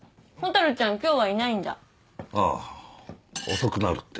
遅くなるって。